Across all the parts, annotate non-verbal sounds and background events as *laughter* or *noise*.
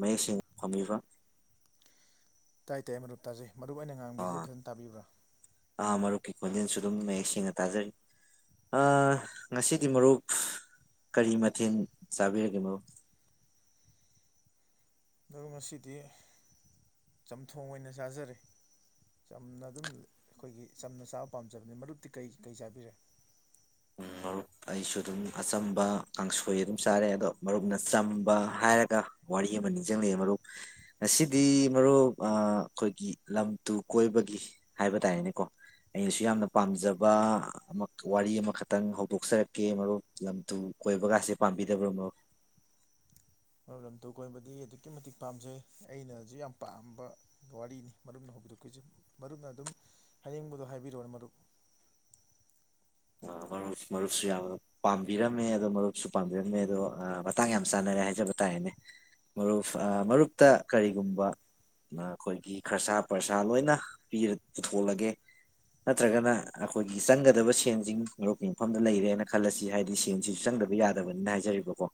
ꯃꯌꯦꯛꯁꯤꯡ ꯐꯝꯃꯤꯕ ꯇꯥꯏ ꯇꯥꯏ ꯃꯔꯨꯞ ꯇꯖꯩ ꯃꯔꯨꯞ ꯑꯩꯅ ꯉꯥꯡꯕꯁꯤꯗꯤ ꯑꯥ ꯐꯖꯅ ꯇꯥꯕꯤꯕ꯭ꯔꯥ ꯑꯥ ꯃꯔꯨꯞꯀꯤ ꯈꯣꯟꯖꯦꯜꯁꯨ ꯑꯗꯨꯝ ꯃꯌꯦꯛ ꯁꯦꯡꯅ ꯇꯥꯖꯔꯤ ꯑꯥ ꯉꯁꯤꯗꯤ ꯃꯔꯨꯞ ꯀꯔꯤ ꯃꯊꯦꯜ ꯆꯥꯕꯤꯔꯒꯦ ꯃꯔꯨꯞ ꯑꯗꯣ ꯉꯁꯤꯗꯤ ꯆꯝꯊꯣꯡ ꯑꯣꯏꯅ ꯆꯥꯖꯔꯦ ꯆꯝꯅ ꯑꯗꯨꯝ ꯑꯩꯈꯣꯏꯒꯤ ꯆꯝꯅ ꯆꯥꯕ ꯄꯥꯝꯖꯕꯅꯤ ꯃꯔꯨꯞꯇꯤ ꯀꯩ ꯀꯩ ꯆꯥꯕꯤꯔꯦ ꯎꯝ ꯃꯔꯨꯞ ꯑꯩꯁꯨ ꯑꯗꯨꯝ ꯑꯆꯝꯕ ꯀꯥꯡꯁꯣꯏ ꯑꯗꯨꯝ ꯆꯥꯔꯦ ꯑꯗꯣ ꯃꯔꯨꯞꯅ ꯆꯝꯕ ꯍꯥꯏꯔꯒ ꯋꯥꯔꯤ ꯑꯃ ꯅꯤꯡꯁꯖꯪꯂꯛꯑꯦ ꯃꯔꯨꯞ ꯉꯁꯤꯗꯤ ꯃꯔꯨꯞ ꯑꯥ ꯈꯣꯏꯒꯤ ꯂꯝ ꯇꯨ ꯀꯣꯏꯕꯒꯤ ꯍꯥꯏꯕ ꯇꯥꯔꯦꯅꯦꯀꯣ ꯑꯩꯅꯁꯨ ꯌꯥꯝꯅ ꯄꯥꯝꯖꯕ ꯑꯃ ꯋꯥꯔꯤ ꯑꯃꯈꯛꯇꯪ ꯍꯧꯗꯣꯛꯆꯔꯛ ꯀꯦ ꯃꯔꯨꯞ ꯂꯝꯗꯨꯨ ꯀꯣꯏꯕꯒꯥꯁꯦ ꯄꯥꯝꯕꯤꯗꯕ꯭ꯔꯣ ꯃꯔꯨꯞ ꯂꯝ ꯇꯣ ꯀꯣꯏꯕꯗꯤ ꯑꯗꯨꯛꯀꯤ ꯃꯇꯤꯛ ꯄꯥꯝꯖꯩ ꯑꯩꯅꯖꯤ ꯌꯥꯝ ꯄꯥꯝꯕ ꯋꯥꯔꯤꯅꯤ ꯃꯔꯨꯞꯅ ꯍꯧꯕꯤꯔꯛ *unintelligible* ꯁꯦ ꯃꯔꯨꯞꯅ ꯑꯗꯨꯝ ꯍꯥꯏꯅꯤꯡꯕꯗꯣ ꯍꯥꯏꯕꯤꯔꯣꯑꯣꯅꯦ ꯃꯔꯨꯞ ꯑꯥ ꯃꯔꯨꯞ ꯃꯔꯨꯞꯁꯨ ꯌꯥꯝꯅ ꯄꯥꯝꯕꯤꯔꯝꯃꯦ ꯑꯗꯣ ꯃꯔꯨꯞꯁꯨ ꯄꯥꯝꯕꯤꯔꯝꯃꯦ ꯑꯗꯣ ꯑꯥ ꯃꯇꯥꯡ ꯌꯥꯝ ꯆꯥꯟꯅꯔꯦ ꯍꯥꯏꯖꯕ ꯇꯥꯔꯦꯅꯦ ꯃꯔꯨꯞ ꯑꯥ ꯃꯔꯨꯞꯇ ꯀꯔꯤꯒꯨꯝꯕ ꯃꯥ ꯈꯣꯏꯒꯤ ꯈꯔꯁꯥ ꯄꯔꯁꯥ ꯂꯣꯏꯅ ꯄꯤꯔꯥ ꯄꯨꯊꯣꯛꯂꯒꯦ ꯅꯠꯇ꯭ꯔꯒꯅ ꯑꯈꯣꯏꯒꯤ ꯆꯪꯒꯗꯕ ꯁꯦꯟꯁꯤꯡ ꯃꯔꯨꯞꯀꯤ ꯃꯐꯝꯗ ꯂꯩꯔꯦꯅ ꯈꯜꯂꯁꯤ ꯍꯥꯏꯗꯤ ꯁꯦꯟꯁꯤꯁꯨ ꯆꯪꯗꯕ ꯌꯥꯗꯕꯅꯤꯅ ꯍꯥꯏꯖꯔꯤꯕꯀꯣ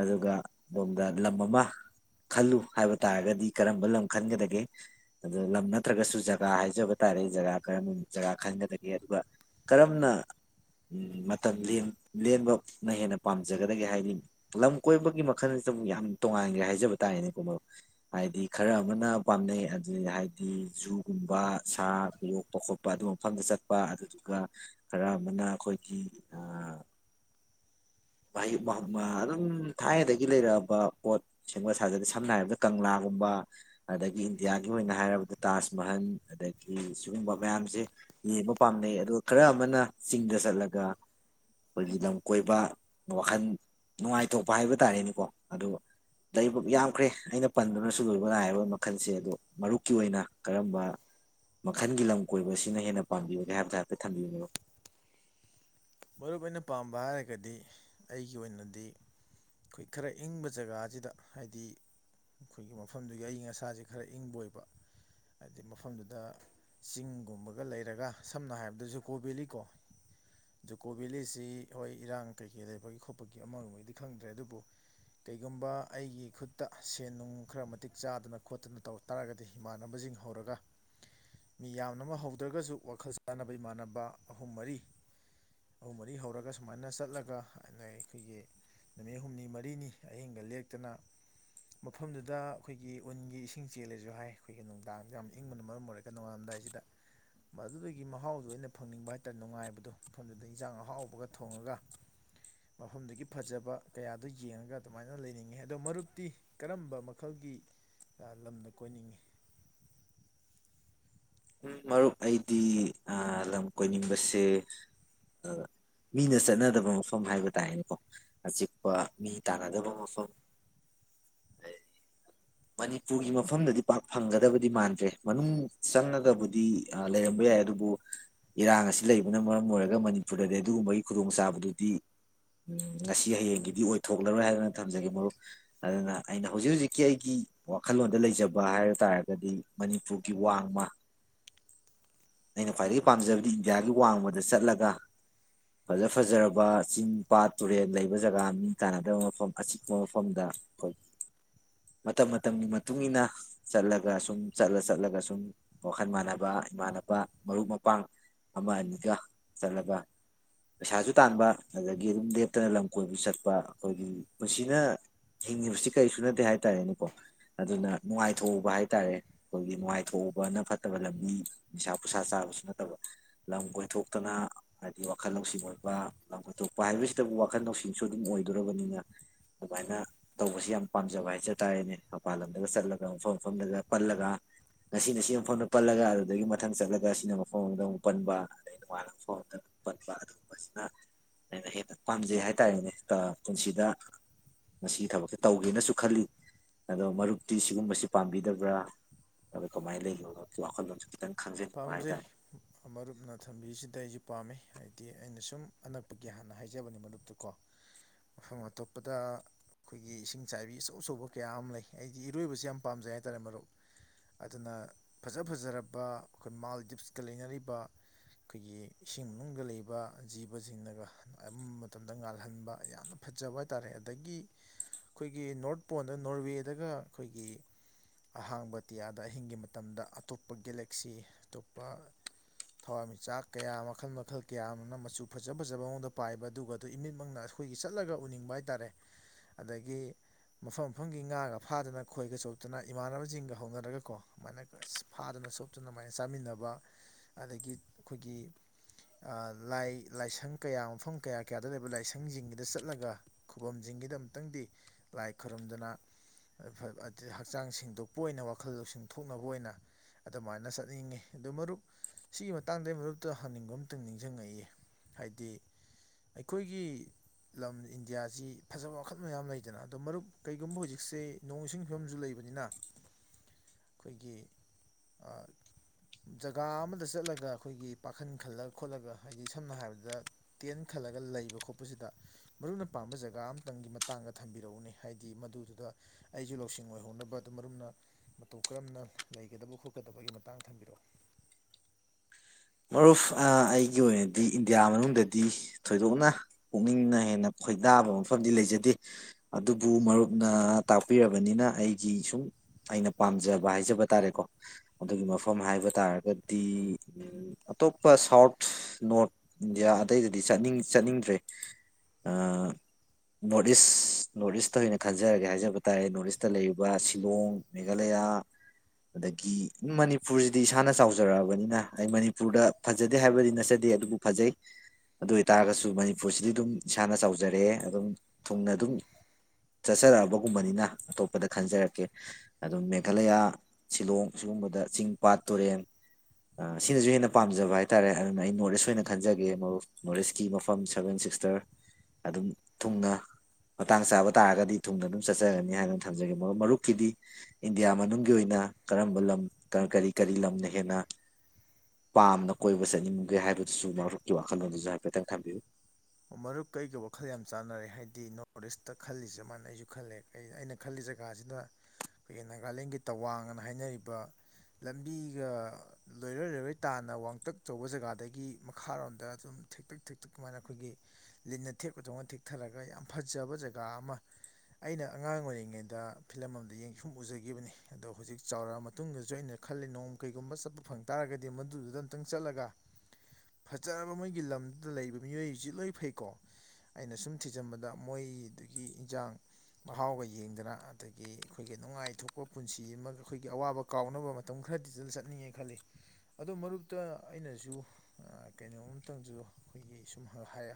ꯑꯗꯨꯒ ꯑꯗꯣꯝꯗ ꯂꯝ ꯑꯃ ꯈꯜꯂꯨ ꯍꯥꯏꯕ ꯇꯥꯔꯒꯗꯤ ꯀꯔꯝꯕ ꯂꯝ ꯈꯟꯒꯗꯒꯦ ꯑꯗꯨ ꯂꯝ ꯅꯠꯇ꯭ꯔꯒꯁꯨ ꯖꯒꯥ ꯍꯥꯏꯖꯕ ꯇꯥꯔꯦ ꯖꯒꯥ ꯀꯔꯝ ꯖꯒꯥ ꯈꯟꯒꯗꯒꯦ ꯑꯗꯨꯒ ꯀꯔꯝꯅ ꯎꯝ ꯃꯇꯝ ꯂꯦꯟ ꯂꯦꯟꯕꯅ ꯍꯦꯟꯅ ꯄꯥꯝꯖꯒꯗꯒꯦ ꯍꯥꯏꯗꯤ ꯂꯝ ꯀꯣꯏꯕꯒꯤ ꯃꯈꯜꯁꯤꯗ ꯃꯨꯛ ꯌꯥꯝ ꯇꯣꯉꯥꯟꯈ꯭ꯔꯦ ꯍꯥꯏꯖꯕ ꯇꯥꯔꯦꯅꯦꯀꯣ ꯃꯔꯨꯞ ꯍꯥꯏꯗꯤ ꯈꯔ ꯑꯃꯅ ꯄꯥꯝꯅꯩ ꯑꯗꯨꯗꯤ ꯍꯥꯏꯗꯤ ꯖꯨꯒꯨꯝꯕ ꯁꯥ ꯌꯣꯛꯄ ꯈꯣꯠꯄ ꯑꯗꯨꯒꯨꯝꯕ ꯃꯐꯝꯗ ꯆꯠꯄ ꯑꯗꯨꯗꯨꯒ ꯈꯔ ꯃꯅꯥ ꯈꯣꯏꯒꯤ ꯑꯥ *unintelligible* ꯑꯗꯨꯝ ꯊꯥꯏꯅꯗꯒꯤ ꯂꯩꯔꯛꯑꯥꯕ ꯄꯣꯠ ꯁꯦꯝꯒꯠ ꯁꯥꯗꯕ ꯁꯝꯅ ꯍꯥꯏꯔꯕꯗ ꯀꯪꯂꯥꯒꯨꯝꯕ ꯑꯗꯒꯤ ꯏꯟꯗꯤꯌꯥꯒꯤ ꯑꯣꯏꯅ ꯍꯥꯏꯔꯕꯗ ꯇꯥꯖ ꯃꯍꯜ ꯑꯗꯒꯤ ꯁꯤꯒꯨꯝꯕ ꯃꯌꯥꯝꯁꯦ ꯌꯦꯡꯕ ꯄꯥꯝꯅꯩ ꯑꯗꯨ ꯈꯔ ꯑꯃꯅ ꯆꯤꯡꯗ ꯆꯠꯂꯒ ꯈꯣꯏꯒꯤ ꯂꯝ ꯀꯣꯏꯕ ꯋꯥꯈꯟ ꯅꯨꯡꯉꯥꯏꯊꯣꯛꯄ ꯍꯥꯏꯕ ꯇꯥꯔꯦꯅꯦꯀꯣ ꯑꯗꯣ ꯂꯥꯏꯕ ꯌꯥꯝꯈ꯭ꯔꯦ ꯑꯩꯅ ꯄꯟꯗꯨꯅꯁꯨ ꯂꯣꯏꯕ ꯅꯥꯏꯔꯥꯔꯣꯏ ꯃꯈꯜꯁꯦ ꯑꯗꯣ ꯃꯔꯨꯞꯀꯤ ꯑꯣꯏꯅ ꯀꯔꯝꯕ ꯃꯈꯜꯒꯤ ꯂꯝ ꯀꯣꯏꯕ ꯁꯤꯅ ꯍꯦꯟꯅ ꯄꯥꯝꯕꯤꯕꯒꯦ ꯍꯥꯏꯕꯗ ꯍꯥꯏꯐꯦꯠ ꯊꯝꯕꯤꯌꯣꯅꯦ ꯃꯔꯨꯞ ꯃꯔꯨꯞ ꯑꯩꯅ ꯄꯥꯝꯕ ꯍꯥꯏꯔꯒꯗꯤ ꯑꯩꯒꯤ ꯑꯣꯏꯅꯗꯤ ꯈꯣꯏ ꯈꯔ ꯏꯪꯕ ꯖꯒꯥꯁꯤꯗ ꯍꯥꯏꯗꯤ ꯈꯣꯏꯒꯤ ꯃꯐꯝꯗꯨꯒꯤ ꯑꯏꯪ ꯑꯁꯥꯁꯦ ꯈꯔ ꯏꯪꯕ ꯑꯣꯏꯕ ꯍꯥꯏꯗꯤ ꯃꯐꯝꯗꯨꯗ ꯆꯤꯡꯒꯨꯝꯕꯒ ꯂꯩꯔꯒ ꯁꯝꯅ ꯍꯥꯏꯔꯕꯗ ꯖꯨꯀꯣ ꯕꯦꯂꯤ ꯀꯣ ꯖꯨꯀꯣ ꯕꯦꯂꯤꯁꯤ ꯍꯣꯏ ꯏꯔꯥꯡ ꯀꯩꯀꯩ ꯂꯩꯕꯒꯤ ꯈꯣꯠꯄꯒꯤ ꯑꯃ ꯑꯣꯏꯅꯗꯤ ꯈꯪꯗ꯭ꯔꯦ ꯑꯗꯨꯕꯨ ꯀꯩꯒꯨꯝꯕ ꯑꯩꯒꯤ ꯈꯨꯠꯇ ꯁꯦꯟ ꯅꯨꯡ ꯈꯔ ꯃꯇꯤꯛ ꯆꯥꯗꯅ ꯈꯣꯠꯇꯅ ꯇꯧ ꯇꯥꯔꯒꯗꯤ ꯏꯃꯥꯟꯅꯕꯁꯤꯡ ꯍꯧꯔꯒ ꯃꯤ ꯌꯥꯝꯅꯃꯛ ꯍꯧꯗ꯭ꯔꯒꯁꯨ ꯋꯥꯈꯜ ꯆꯥꯅꯕ ꯏꯃꯥꯟꯅꯕ ꯑꯍꯨꯝ ꯃꯔꯤ ꯑꯍꯨꯝ ꯃꯔꯤ ꯍꯧꯔꯒ ꯁꯨꯃꯥꯏꯅ ꯆꯠꯂꯒ ꯑꯅꯩ ꯑꯩꯈꯣꯏꯒꯤ ꯅꯨꯃꯤꯠ ꯍꯨꯝꯅꯤ ꯃꯔꯤꯅꯤ ꯑꯍꯤꯡꯒ ꯃꯐꯝꯗꯨꯗ ꯌꯦꯟꯖꯥꯡ ꯑꯍꯥꯎꯕꯒ ꯊꯣꯡꯉꯒ ꯃꯐꯝꯗꯨꯒꯤ ꯐꯖꯕ ꯀꯌꯥꯗꯣ ꯌꯦꯡꯉꯒ ꯑꯗꯨꯃꯥꯏꯅ ꯂꯩꯅꯤꯡꯉꯤ ꯑꯗꯣ ꯃꯔꯨꯞꯇꯤ ꯀꯔꯝꯕ ꯃꯈꯜꯒꯤ ꯂꯝꯗ ꯀꯣꯏꯅꯤꯡꯉꯤ ꯎꯝ ꯃꯔꯨꯞ ꯑꯩꯗꯤ ꯂꯝ ꯀꯣꯏꯅꯤꯡꯕꯁꯦ ꯃꯤꯅ ꯆꯠꯅꯗꯕ ꯃꯐꯝ ꯍꯥꯏꯕ ꯇꯥꯔꯅꯦꯀꯣ ꯑꯆꯤꯛꯄ ꯃꯤ ꯇꯥꯟꯅꯗꯕ ꯃꯐꯝ ꯃꯅꯤꯄꯨꯔꯒꯤ ꯃꯐꯝꯗꯗꯤ ꯄꯥꯛ ꯐꯪꯒꯗꯕꯗꯤ ꯃꯥꯟꯗ꯭ꯔꯦ ꯃꯅꯨꯡ ꯆꯪꯉꯥ ꯕꯨꯗꯤ ꯂꯩꯔꯝꯕ ꯌꯥꯏ ꯑꯗꯨꯕꯨ ꯏꯔꯥꯡ ꯑꯁꯤ ꯂꯩꯕꯅ ꯃꯔꯝ ꯑꯣꯏꯔꯒ ꯃꯅꯤꯄꯨꯔꯗꯗꯤ ꯑꯗꯨꯒꯨꯝꯕꯒꯤ ꯈꯨꯗꯣꯡꯆꯥꯥꯕꯗꯨꯗꯤ ꯉꯁꯤ ꯍꯌꯦꯡꯒꯤꯗꯤ ꯑꯣꯏꯊꯣꯛꯂꯔꯣꯏ ꯍꯥꯏꯗꯅ ꯊꯝꯖꯒꯦ ꯃꯔꯨꯞ ꯑꯗꯨꯅ ꯑꯩꯅ ꯍꯧꯖꯤꯛ ꯍꯧꯖꯤꯛꯀꯤ ꯑꯩꯒꯤ ꯋꯥꯈꯜꯂꯣꯟꯗ ꯂꯩꯖꯕ ꯍꯥꯏꯕ ꯇꯥꯔꯒꯗꯤ ꯃꯅꯤꯄꯨꯔꯒꯤ ꯋꯥꯡꯃ ꯑꯩꯅ ꯈ꯭ꯋꯥꯏꯗꯒꯤ ꯄꯥꯝꯖꯕꯗꯤ ꯏꯟꯗꯤꯌꯥꯒꯤ ꯋꯥꯡꯃꯗ ꯆꯠꯂꯒ ꯐꯖ ꯐꯖꯔꯕ ꯆꯤꯡ ꯄꯥꯠ ꯇꯨꯔꯦꯜ ꯂꯩꯕ ꯖꯒꯥ ꯃꯤ ꯇꯥꯟꯅꯗꯕ ꯃꯐꯝ ꯑꯁꯤꯤꯛꯄ ꯃꯐꯝꯗ ꯑꯩꯈꯣꯏ ꯃꯇꯝ ꯃꯇꯝꯒꯤ ꯃꯇꯨꯡꯏꯟꯅ ꯆꯠꯂꯒ ꯁꯨꯝ ꯆꯠꯂ ꯆꯠꯂꯒ ꯁꯨꯝ ꯋꯥꯈꯜ ꯃꯥꯟꯅꯕ ꯏꯃꯥꯟꯅꯕ ꯃꯔꯨꯞ ꯃꯄꯥꯡ ꯑꯃ ꯑꯅꯤꯒ ꯆꯠꯂꯒ ꯄꯩꯁꯥꯁꯨ ꯇꯥꯟꯕ ꯑꯗꯒꯤ ꯑꯗꯨꯝ ꯂꯦꯞꯇꯅ ꯂꯝ ꯀꯣꯏꯕ ꯆꯠꯄ ꯑꯩꯈꯣꯏꯒꯤ ꯄꯨꯟꯁꯤꯅ ꯍꯤꯡꯉꯤꯕꯁꯤ ꯀꯔꯤꯁꯨ ꯅꯠꯇꯦ ꯍꯥꯏꯇꯥꯔꯦꯅꯦꯀꯣ ꯑꯗꯨꯅ ꯅꯨꯡꯉꯥꯏꯊꯣꯛꯎꯕ ꯍꯥꯏꯇꯥꯔꯦ ꯑꯩꯈꯣꯏꯒꯤ ꯅꯨꯡꯉꯥꯏꯊꯣꯛꯎ ꯋꯥꯅ ꯐꯠꯇꯕ ꯂꯝꯕꯤ ꯅꯤꯁꯥ ꯄꯨꯁꯥ ꯆꯥꯕꯁꯨ ꯅꯠꯇꯕ ꯂꯝ ꯀꯣꯏꯊꯣꯛꯇꯅ ꯍꯥꯏꯗꯤ ꯋꯥꯈꯜ ꯂꯧꯁꯤꯡ ꯑꯣꯏꯕ ꯂꯝ ꯀꯣꯏꯊꯣꯛꯄ ꯍꯥꯏꯕꯁꯤꯗꯕꯨ ꯋꯥꯈꯜ ꯂꯧꯁꯤꯡꯁꯨ ꯑꯗꯨꯝ ꯑꯣꯏꯗꯣꯔꯕꯅꯤꯅ ꯑꯗꯨꯃꯥꯏꯅ ꯇꯧꯕꯁꯤ ꯌꯥꯝ ꯄꯥꯝꯖꯕ ꯍꯥꯏꯖ ꯇꯥꯔꯦꯅꯦ ꯃꯄꯥꯟ ꯂꯝꯗꯒ ꯆꯠꯂꯒ ꯃꯐꯝ ꯃꯐꯝꯗꯒ ꯄꯜꯂꯒ ꯉꯁꯤꯅ ꯁꯤ ꯃꯐꯝꯗ ꯄꯜꯂꯒ ꯑꯗꯨꯗꯒꯤ ꯃꯊꯪ ꯆꯠꯂꯒ ꯁꯤꯅ ꯃꯐꯝ ꯑꯃꯗ ꯑꯃꯨꯛ ꯄꯟꯕ ꯑꯗꯩ ꯅꯣꯡꯉꯥꯟꯅ ꯃꯐꯝ ꯑꯃꯗ ꯑꯃꯨꯛ ꯄꯟꯕ ꯑꯗꯨꯒꯨꯝꯕꯁꯤꯅ ꯑꯩꯅ ꯍꯦꯟꯅ ꯄꯥꯝꯖꯩ ꯍꯥꯏ ꯇꯥꯔꯦꯅꯦ ꯇ ꯄꯨꯟꯁꯤꯗ ꯃꯁꯤꯒꯤ ꯊꯕꯛꯁꯦ ꯇꯧꯒꯦꯅꯁꯨ ꯈꯜꯂꯤ ꯑꯗꯣ ꯃꯔꯨꯞꯇꯤ ꯁꯤꯒꯨꯝꯕꯁꯤ ꯄꯥꯝꯕꯤꯗꯕ꯭ꯔꯥ ꯇꯔꯒ ꯀꯃꯥꯏ ꯂꯩꯒꯦ ꯃꯔꯨꯞꯀꯤ ꯋꯥꯈꯜꯂꯣꯟꯖꯦ ꯄꯥꯝꯖꯩ ꯃꯔꯨꯞꯅ ꯊꯝꯕꯤꯁꯤꯗ ꯑꯩꯁꯨ ꯄꯥꯝꯃꯦ ꯍꯥꯏꯕꯗꯤ ꯑꯩꯅ ꯁꯨꯝ ꯑꯅꯛꯄꯒꯤ ꯍꯥꯟꯅ ꯍꯥꯏꯖꯕꯅꯤ ꯃꯔꯨꯞꯇꯨꯀꯣ ꯃꯐꯝ ꯑꯇꯣꯞꯄꯗ ꯑꯩꯈꯣꯏꯒꯤ ꯏꯁꯤꯡ ꯆꯥꯏꯕꯤ ꯑꯆꯧ ꯑꯆꯧꯕ ꯀꯌꯥ ꯑꯃ ꯂꯩ ꯑꯩꯗꯤ ꯏꯔꯣꯏꯕꯁꯤ ꯌꯥꯝ ꯄꯥꯝꯖꯩ ꯍꯥꯏꯇꯥꯔꯦ ꯃꯔꯨꯞ ꯑꯗꯨꯅ ꯐꯖ ꯐꯖꯔꯕ ꯑꯩꯈꯣꯏ ꯃꯥꯜꯗꯤꯞꯁꯀ ꯂꯩꯅꯔꯤꯕ ꯑꯩꯈꯣꯏꯒꯤ ꯏꯁꯤꯡ ꯃꯅꯨꯡꯗ ꯂꯩꯕ ꯖꯤꯕꯖꯤꯡꯅꯒ ꯑꯝ ꯃꯇꯝꯗ ꯉꯥꯜꯍꯟꯕ ꯌꯥꯝꯅ ꯐꯖꯕ ꯍꯥꯏꯇꯥꯔꯦ ꯑꯗꯒꯤ ꯑꯩꯈꯣꯏꯒꯤ ꯅꯣꯔꯠ ꯄꯣꯟꯗ ꯅꯣꯔꯋꯦꯗꯒ ꯑꯩꯈꯣꯏꯒꯤ ꯑꯍꯥꯡꯕ ꯑꯇꯤꯌꯥꯗ ꯑꯍꯤꯡꯒꯤ ꯃꯇꯝꯗ ꯑꯇꯣꯞꯄ ꯒꯦꯂꯦꯛ ꯁꯤ ꯑꯇꯣꯞꯄ ꯊꯋꯥꯟꯃꯤꯆꯥꯛ ꯀꯌꯥ ꯃꯈꯜ ꯃꯈꯜ ꯀꯌꯥ ꯑꯃꯅ ꯃꯆꯨ ꯐꯖ ꯐꯖꯕ ꯃꯑꯣꯡꯗ ꯄꯥꯏꯕ ꯑꯗꯨꯒ ꯑꯗꯨ ꯏꯃꯤꯠꯃꯛꯅ ꯑꯩꯈꯣꯏꯒꯤ ꯆꯠꯂꯒ ꯎꯅꯤꯡꯕ ꯍꯥꯏꯇꯥꯔꯦ ꯑꯗꯒꯤ ꯃꯐꯝ ꯃꯐꯝꯒꯤ ꯉꯥꯒ ꯐꯥꯗꯅ ꯈꯣꯏꯒ ꯆꯣꯞꯇꯅ ꯏꯃꯥꯟꯅꯕꯁꯤꯡꯒ ꯍꯧꯅꯔꯒꯀꯣ ꯑꯗꯨꯃꯥꯏꯅꯒ ꯑꯁ ꯐꯥꯗꯅꯣꯛ ꯑꯗꯨ ꯗꯨꯃꯥꯏꯅ ꯆꯥꯃꯤꯟꯅꯕ ꯑꯗꯒꯤ ꯑꯩꯈꯣꯏꯒꯤ ꯂꯥꯏ ꯂꯥꯏꯁꯪ ꯀꯌꯥ ꯃꯐꯝ ꯀꯌꯥ ꯀꯌꯥꯗ ꯂꯩꯕ ꯂꯥꯏꯁꯪꯁꯤꯡꯒꯤꯗ ꯆꯠꯂꯒ ꯈꯨꯕꯝꯁꯤꯡꯒꯤꯗ ꯑꯃꯨꯛꯇꯪꯗꯤ ꯂꯥꯏ ꯈꯨꯔꯨꯝꯗꯨꯅ ꯍꯛꯆꯥꯡ ꯁꯦꯡꯗꯣꯛꯄ ꯑꯣꯏꯅ ꯋꯥꯈꯜ ꯂꯧꯁꯤꯡꯊꯣꯛꯅꯕ ꯑꯣꯏꯅ ꯑꯗꯨꯃꯥꯏꯅ ꯆꯠꯅꯤꯡꯉꯤ ꯑꯗꯣ ꯃꯔꯨꯞ ꯁꯤꯒꯤ ꯃꯇꯥꯡꯗꯩ ꯃꯔꯨꯞꯇ ꯍꯪꯅꯤꯡꯕ ꯑꯃꯇꯪ ꯅꯤꯡꯖꯪꯉꯛꯏꯌꯦ ꯍꯥꯏꯗꯤ ꯑꯩꯈꯣꯏꯒꯤ ꯂꯝ ꯏꯟꯗꯤꯌꯥꯖꯤ ꯐꯖꯕ ꯃꯈꯜ ꯃꯌꯥꯝ ꯂꯩꯗꯅ ꯑꯗꯣ ꯃꯔꯨꯞ ꯀꯩꯒꯨꯝꯕ ꯍꯧꯖꯤꯛꯁꯦ ꯅꯣꯡ ꯏꯁꯤꯡ ꯐꯤꯕꯝꯁꯨ ꯂꯩꯕꯅꯤꯅ ꯑꯩꯈꯣꯏꯒꯤ ꯑ ꯖꯒꯥ ꯑꯃꯗ ꯆꯠꯂꯒ ꯑꯩꯈꯣꯏꯒꯤ ꯄꯥꯈꯟ ꯈꯜꯂꯒ ꯈꯣꯠꯂꯒ ꯍꯥꯏꯗꯤ ꯁꯝꯅ ꯍꯥꯏꯔꯕꯗ ꯇꯦꯟ ꯈꯜꯂꯒ ꯂꯩꯕ ꯈꯣꯠꯄꯁꯤꯗ ꯃꯔꯨꯞꯅ ꯄꯥꯝꯕ ꯖꯒꯥ ꯑꯃꯇꯪꯒꯤ ꯃꯇꯥꯡꯗ ꯊꯝꯕꯤꯔꯛꯎꯅꯦ ꯍꯥꯏꯗꯤ ꯃꯗꯨꯗꯨꯗ ꯑꯩꯁꯨ ꯂꯧꯁꯤꯡ ꯑꯣꯏꯍꯧꯅꯕ ꯑꯗꯨ ꯃꯔꯨꯞꯅ ꯃꯇꯧ ꯀꯔꯝꯅ ꯂꯩ ꯒꯗꯕ ꯈꯣꯠꯀꯗꯕꯒꯤ ꯃꯇꯥꯡ ꯊꯝꯕꯤꯔꯛꯑꯣ ꯃꯔꯨꯞ ꯑꯩꯒꯤ ꯑꯣꯏꯅꯗꯤ ꯏꯟꯗꯤꯌꯥ ꯃꯅꯨꯡꯗꯗꯤ ꯊꯣꯏꯗꯣꯛꯅ ꯄꯨꯛꯅꯤꯡꯅ ꯍꯦꯟꯅ ꯈꯣꯏꯗꯥꯕ ꯃꯐꯝꯗꯤ ꯂꯩꯖꯗꯦ ꯑꯗꯨꯕꯨ ꯃꯔꯨꯞꯅ ꯇꯥꯛꯄꯤꯔꯕꯅꯤꯅ ꯑꯩꯒꯤ ꯁꯨꯝ ꯑꯩꯅ ꯄꯥꯝꯖꯕ ꯍꯥꯏꯖꯕ ꯇꯥꯔꯦꯀꯣ ꯑꯗꯨꯒꯤ ꯃꯐꯝ ꯍꯥꯏꯕ ꯇꯥꯔꯒꯗꯤ ꯑꯇꯣꯞꯄ ꯁꯥꯎꯠ ꯅꯣꯔꯠ ꯏꯟꯗꯤꯌꯥ ꯑꯗꯇꯩꯗꯗꯤ ꯆꯠꯅꯤꯡ ꯆꯠꯅꯤꯡꯗ꯭ꯔꯦ ꯅꯣꯔꯠ ꯏꯁ ꯅꯣꯔꯠ ꯏꯁꯇ ꯑꯣꯏꯅ ꯈꯟꯖꯔꯒꯦ ꯍꯥꯏꯖꯕ ꯇꯥꯔꯦ ꯅꯣꯔꯠ ꯏꯁꯇ ꯂꯩꯔꯤꯕ ꯁꯤꯂꯣꯡ ꯃꯦꯒꯥꯂꯌꯥ ꯑꯗꯒꯤ ꯃꯅꯤꯄꯨꯔꯁꯤꯗꯤ ꯏꯁꯥꯅ ꯆꯥꯎꯖꯔꯛꯑꯕꯅꯤꯅ ꯑꯩ ꯃꯅꯤꯄꯨꯔꯗ ꯐꯖꯗꯦ ꯍꯥꯏꯕꯗꯤ ꯅꯠꯆꯗꯦ ꯑꯗꯨꯕꯨ ꯐꯖꯩ ꯑꯗꯨ ꯑꯣꯏꯇꯥꯔꯒꯁꯨ ꯃꯅꯤꯄꯨꯔꯁꯤꯗꯤ ꯑꯗꯨꯝ ꯏꯁꯥꯅ ꯆꯥꯎꯖꯔꯛꯑꯦ ꯑꯗꯨꯝ ꯊꯨꯡꯅ ꯑꯗꯨꯝ ꯆꯠꯆꯔꯛꯑꯕꯒꯨꯝꯕꯅꯤꯅ ꯑꯇꯣꯞꯄꯗ ꯈꯟꯖꯔꯛꯀꯦ ꯑꯗꯨꯝ ꯃꯦꯘꯥꯂꯌꯥ ꯁꯤꯂꯣꯡ ꯁꯤꯒꯨꯝꯕꯗ ꯆꯤꯡ ꯄꯥꯠ ꯇꯨꯔꯦꯟ ꯁꯤꯅꯁꯨ ꯍꯦꯟꯅ ꯄꯥꯝꯖꯕ ꯍꯥꯏ ꯇꯥꯔꯦ ꯑꯗꯨꯅ ꯑꯩ ꯅꯣꯔꯠ ꯏꯁ ꯑꯣꯏꯅ ꯈꯟꯖꯒꯦ ꯃꯔꯨꯞ ꯅꯣꯔꯠ ꯏꯁꯀꯤ ꯃꯐꯝ ꯁꯚꯦꯟ ꯁꯤꯛꯁꯇꯔ ꯑꯗꯨꯝ ꯊꯨꯡꯅ ꯃꯇꯥꯡ ꯆꯥꯕ ꯇꯥꯔꯒꯗꯤ ꯊꯨꯡꯅ ꯑꯗꯨꯝ ꯆꯠꯆꯒꯅꯤ ꯍꯥꯏꯅ ꯊꯝꯖꯒꯦ ꯃꯔꯨꯞ ꯃꯔꯨꯞꯀꯤꯗꯤ ꯏꯟꯗꯤꯌꯥ ꯃꯅꯨꯡꯒꯤ ꯑꯣꯏꯅ ꯀꯔꯝꯕ ꯂꯝ ꯀꯔꯤ ꯀꯔꯤ ꯂꯝꯅ ꯍꯦꯟꯅ ꯄꯥꯝꯅ ꯀꯣꯏꯕ ꯆꯠꯅꯤꯡꯝꯒꯦ ꯍꯥꯏꯕꯗꯨꯁꯨ ꯃꯔꯨꯞꯀꯤ ꯋꯥꯈꯜꯂꯣꯟꯗꯨꯁꯨ ꯍꯥꯏꯐꯦꯠꯇꯪ ꯊꯝꯕꯤꯌꯨ ꯃꯔꯨꯞ ꯀꯥ ꯑꯩꯒ ꯋꯥ ꯈꯜ ꯌꯥꯝ ꯆꯥꯟꯅꯔꯦ ꯍꯥꯏꯗꯤ ꯅꯣꯔꯠ ꯏꯁꯇ ꯈꯜꯂꯤꯁꯦ ꯃꯥꯥꯏꯅ ꯑꯩꯁꯨ ꯈꯜꯂꯦ ꯑꯩꯅ ꯈꯜꯂꯤ ꯖꯒꯥꯁꯤꯅ ꯑꯩꯈꯣꯏꯒꯤ ꯅꯥꯒꯥꯂꯦꯟꯒꯤ ꯇꯋꯥꯡ ꯑꯅ ꯍꯥꯏꯅꯔꯤꯕ ꯂꯝꯕꯤꯒ ꯂꯣꯏꯔꯣꯏ ꯂꯣꯏꯔꯣꯏ ꯇꯥꯟꯅ ꯋꯥꯡꯇꯛꯆꯧꯕ ꯖꯒꯥꯗꯒꯤ ꯃꯈꯥꯔꯣꯝꯗ ꯑꯗꯨꯝ ꯊꯦꯛꯇꯛ ꯊꯦꯛꯇꯛ ꯀꯃꯥꯏꯅ ꯑꯩꯈꯣꯏꯒꯤ ꯂꯤꯟꯅ ꯊꯦꯛꯄ ꯗꯧꯅ ꯊꯦꯛꯊꯔꯒ ꯌꯥꯝ ꯐꯖꯕ ꯖꯒꯥ ꯑꯃ ꯑꯩꯅ ꯑꯉꯥꯡ ꯑꯣꯏꯔꯤꯉꯩꯗ ꯐꯤꯂꯝ ꯑꯃꯝꯗ ꯌꯦꯡ ꯁꯨꯝ ꯎꯖꯒꯤꯈꯤꯕꯅꯤ ꯑꯗꯣ ꯍꯧꯖꯤꯛ ꯆꯥꯎꯔꯛꯑ ꯃꯇꯨꯡꯗꯁꯨ ꯑꯩꯅ ꯈꯜꯂꯤ ꯅꯣꯡ ꯀꯩꯒꯨꯝꯕ ꯆꯠꯄ ꯐꯪ ꯇꯥꯔꯒꯗꯤ ꯃꯗꯨꯗꯨꯗ ꯑꯨꯇꯪ ꯆꯠꯂꯒ ꯐꯖꯔꯕ ꯃꯣꯏꯒꯤ ꯂꯝꯗꯨꯗ ꯂꯩꯕ ꯃꯤꯑꯣꯏꯁꯤ ꯂꯣꯏ ꯐꯩꯀꯣ ꯑꯩꯅ ꯁꯨꯝ ꯊꯤꯖꯤꯟꯕꯗ ꯃꯣꯏꯗꯨꯒꯤ ꯏꯟꯖꯥꯡ ꯃꯍꯥꯎꯒ ꯌꯦꯡꯗꯅ ꯑꯗꯒꯤ ꯑꯩꯈꯣꯏꯒꯤ ꯅꯨꯡꯉꯥꯏꯊꯣꯛꯄ ꯄꯨꯟꯁꯤ ꯑꯃꯒ ꯑꯩꯈꯣꯏꯒꯤ ꯑꯋꯥꯕ ꯀꯥꯎꯅꯕ ꯃꯇꯝ ꯈꯔꯗꯤꯗꯨꯝ ꯆꯠꯅꯤꯡꯉꯦ ꯈꯜꯂꯤ ꯑꯗꯣ ꯃꯔꯨꯞꯇ ꯑꯩꯅꯁꯨ ꯀꯩꯅꯣꯝꯇꯪꯁꯨ ꯑꯩꯈꯣꯏꯒꯤ ꯁꯨꯝ ꯍꯥꯏ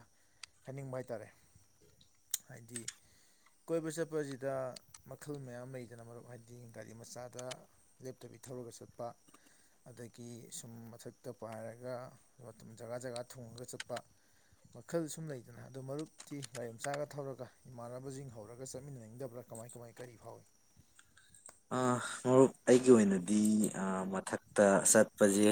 ꯍꯥꯏꯅꯤꯡꯕ ꯍꯥꯏ ꯇꯥꯔꯦ ꯍꯥꯏꯗꯤ ꯀꯣꯏꯕ ꯆꯠꯄꯁꯤꯗ ꯃꯈꯜ ꯃꯌꯥꯝ ꯂꯩꯗꯅ ꯃꯔꯨꯞ ꯍꯥꯏꯗꯤ ꯒꯥꯔꯤ ꯃꯆꯥꯗ ꯂꯦꯞꯇꯕꯤ ꯊꯧꯔꯒ ꯆꯠꯄ ꯑꯗꯒꯤ ꯁꯨꯝ ꯃꯊꯛꯇ ꯄꯥꯏꯔꯒ ꯖꯒꯥ ꯖꯒꯥ ꯊꯨꯡꯉꯒ ꯆꯠꯄ ꯃꯈꯜ ꯁꯨꯝ ꯂꯩꯗꯅ ꯑꯗꯨ ꯃꯔꯨꯞꯛꯇꯤ ꯒꯥꯔꯤ ꯑꯆꯥꯒ ꯊꯧꯔꯒ ꯏꯃꯥꯟꯅꯕꯁꯤꯡ ꯍꯧꯔꯒ ꯆꯠꯃꯤꯟꯅꯅꯤꯡꯗꯕ꯭ꯔꯥ ꯀꯃꯥꯏ ꯀꯃꯥꯏ ꯀꯔꯤ ꯐꯥꯎꯏ ꯑ ꯃꯔꯨꯞ ꯑꯩꯒꯤ ꯑꯣꯏꯅꯗꯤ ꯑ ꯃꯊꯛꯇ ꯆꯠꯄꯖꯦ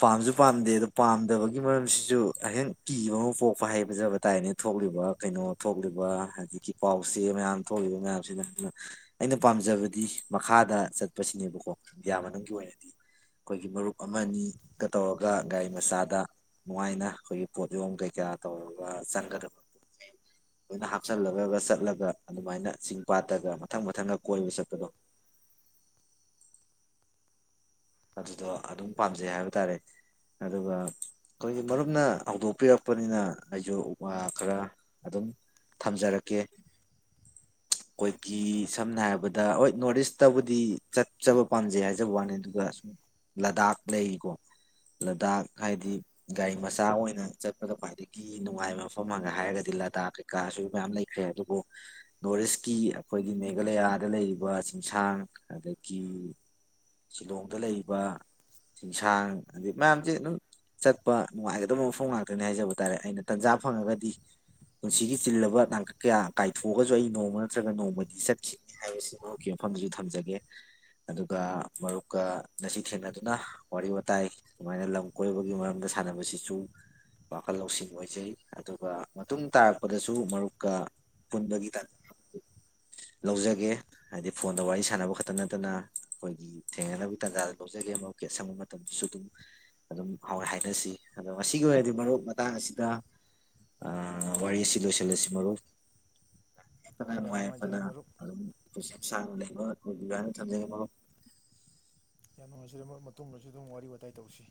ꯄꯥꯝꯖꯨ ꯄꯥꯝꯗꯦ ꯑꯗꯣ ꯄꯥꯝꯗꯕꯒꯤ ꯃꯔꯝꯁꯤꯁꯨ ꯍꯌꯦꯡ ꯀꯤꯕ ꯑꯃ ꯄꯣꯛꯄ ꯍꯥꯏꯕꯖꯕ ꯇꯥꯔꯦꯅꯦ ꯊꯣꯛꯂꯤꯕ ꯀꯩꯅꯣ ꯊꯣꯛꯂꯤꯕ ꯍꯧꯖꯤꯛꯀꯤ ꯄꯥꯎꯆꯦ ꯃꯌꯥꯝ ꯊꯣꯛꯂꯤꯕ ꯃꯌꯥꯝꯁꯤꯅ ꯑꯗꯨꯅ ꯑꯩꯅ ꯄꯥꯝꯖꯕꯗꯤ ꯃꯈꯥꯗ ꯆꯠꯄꯁꯤꯅꯦꯕꯀꯣ ꯏꯟꯗꯤꯌꯥ ꯃꯅꯨꯡꯒꯤ ꯑꯣꯏꯅꯗꯤ ꯑꯩꯈꯣꯏꯒꯤ ꯃꯔꯨꯞ ꯑꯃꯅꯤ ꯒ ꯇꯧꯔꯒ ꯒꯥꯔꯤ ꯃꯆꯥꯗ ꯅꯨꯡꯉꯥꯏꯅ ꯑꯩꯈꯣꯏꯒꯤ ꯄꯣꯠ ꯌꯣꯝ ꯀꯩꯀꯥ ꯇꯧꯔꯒ ꯆꯪꯒꯗꯕ ꯄꯣꯠꯆꯩ ꯂꯣꯏꯅ ꯍꯥꯞꯆꯜꯂꯒꯒ ꯆꯠꯂꯒ ꯑꯗꯨꯃꯥꯏꯅ ꯆꯤꯡ ꯄꯥꯠꯇꯒ ꯃꯊꯪ ꯃꯊꯪꯒ ꯀꯣꯏꯕ ꯆꯠꯄꯗꯣ ꯑꯗꯨꯗꯣ ꯑꯗꯨꯝ ꯄꯥꯝꯖꯩ ꯍꯥꯏꯕ ꯇꯥꯔꯦ ꯑꯗꯨꯒ ꯑꯩꯈꯣꯏꯒꯤ ꯃꯔꯨꯞꯅ ꯍꯧꯗꯣꯛꯄꯤꯔꯛꯄꯅꯤꯅ ꯑꯩꯖꯨ ꯋꯥ ꯈꯔ ꯑꯗꯨꯝ ꯊꯝꯖꯔꯛꯀꯦ ꯑꯩꯈꯣꯏꯒꯤ ꯁꯝꯅ ꯍꯥꯏꯔꯕꯗ ꯍꯣꯏ ꯅꯣꯔꯠ ꯏꯁꯇꯕꯨꯗꯤ ꯆꯠꯆꯕ ꯄꯥꯝꯖꯩ ꯍꯥꯏꯖꯕ ꯋꯥꯅꯤ ꯑꯗꯨꯒ ꯂꯥꯗꯥꯛ ꯂꯩꯔꯤꯀꯣ ꯂꯗꯥꯛ ꯍꯥꯏꯗꯤ ꯒꯥꯔꯤ ꯃꯆꯥ ꯑꯣꯏꯅ ꯆꯠꯄꯗ ꯈ꯭ꯋꯥꯏꯗꯒꯤ ꯅꯨꯡꯉꯥꯏꯕ ꯃꯐꯝ ꯍꯪꯉ ꯍꯥꯏꯔꯒꯗꯤ ꯂꯥꯗꯥꯛ ꯀꯩꯀꯥꯁꯨ ꯃꯌꯥꯝ ꯂꯩꯈ꯭ꯔꯦ ꯑꯗꯨꯕꯨ ꯅꯣꯔꯠ ꯏꯁꯀꯤ ꯑꯩꯈꯣꯏꯒꯤ ꯃꯦꯘꯂꯌꯥꯗ ꯂꯩꯔꯤꯕ ꯆꯤꯡꯁꯥꯡ ꯑꯗꯒꯤ ꯁꯤꯂꯣꯡ ꯗ ꯂꯩꯔꯤꯕ ꯆꯤꯡꯁꯥꯡ ꯑꯗꯩ ꯃꯌꯥꯝꯖꯦ ꯑꯗꯨꯝ ꯆꯠꯄ ꯅꯨꯡꯉꯥꯏꯒꯗꯕ ꯃꯐꯝ ꯉꯥꯛꯇꯅꯤ ꯍꯥꯏꯖꯕ ꯇꯥꯔꯦ ꯑꯩꯅ ꯇꯟꯖꯥ ꯐꯪꯉꯒꯗꯤ ꯄꯨꯟꯁꯤꯒꯤ ꯆꯤꯜꯂꯕ ꯇꯥꯡꯀꯛ ꯀꯌꯥ ꯀꯥꯏꯊꯣꯛꯑꯒꯁꯨ ꯑꯩ ꯅꯣꯡꯃ ꯅꯠꯇ꯭ꯔꯒ ꯅꯣꯡꯃꯗꯤ ꯆꯠꯈꯤꯅꯤ ꯍꯥꯏꯕꯁꯤ ꯃꯔꯨꯞꯀꯤ ꯃꯐꯝꯗꯁꯨ ꯊꯝꯖꯒꯦ ꯑꯗꯨꯒ ꯃꯔꯨꯞꯀ ꯉꯥꯁꯤ ꯊꯦꯡꯅꯗꯨꯅ ꯋꯥꯔꯤ ꯋꯥꯇꯥꯏ ꯁꯨꯃꯥꯏꯅ ꯂꯝ ꯀꯣꯏꯕꯒꯤ ꯃꯔꯝꯗ ꯁꯥꯟꯅꯕꯁꯤꯁꯨ ꯋꯥꯈꯜ ꯂꯧꯁꯤꯡ ꯑꯣꯏꯖꯩ ꯑꯗꯨꯒ ꯃꯇꯨꯡ ꯇꯥꯔꯛꯄꯗꯁꯨ ꯃꯔꯨꯞꯀ ꯄꯨꯟꯕꯒꯤ ꯇꯥꯟꯖꯥ ꯂꯧꯖꯒꯦ ꯍꯥꯏꯗꯤ ꯐꯣꯟꯗ ꯋꯥꯔꯤ ꯁꯥꯟꯅꯕ ꯈꯛꯇ ꯅꯠꯇꯅ ꯑꯩꯈꯣꯏꯒꯤ ꯊꯦꯡꯅꯅꯕꯒꯤ ꯇꯥꯟꯖꯥꯗꯣ ꯂꯧꯖꯒꯦ ꯃꯔꯨꯞꯀꯤ ꯑꯁꯪꯕ ꯃꯇꯝꯗꯁꯨ ꯑꯗꯨꯝ ꯑꯗꯨꯝ ꯍꯥꯎꯋ ꯍꯥꯏꯅꯁꯤ ꯑꯗꯣ ꯉꯁꯤꯒꯤ ꯑꯣꯏꯅꯗꯤ ꯃꯔꯨꯞ ꯃꯇꯥꯡ ꯑꯁꯤꯗ ꯋꯥꯔꯤ ꯑꯁꯤ ꯂꯣꯏꯁꯤꯜꯂꯁꯤ ꯃꯔꯨꯞ ꯐꯅ ꯌꯥꯝ ꯅꯨꯡꯉꯥꯏ ꯌꯥꯏꯐꯅ ꯅꯨꯡꯉꯥꯏꯖꯔꯦ ꯃꯔꯨꯞ ꯑꯗꯨꯝ ꯄꯨꯁꯤ ꯁꯥꯡ ꯂꯩꯕ ꯑꯣꯏꯕꯤꯎ ꯍꯥꯏꯅ ꯊꯝꯖꯒꯦ ꯃꯔꯨꯞ ꯌꯥꯝ ꯅꯨꯡꯉꯥꯏꯖꯔꯦ ꯃꯔꯨꯞ ꯃꯇꯨꯡꯗꯁꯨ ꯑꯗꯨꯝ ꯋꯥꯔꯤ ꯋꯥꯇꯥꯏ ꯇꯧꯁꯤ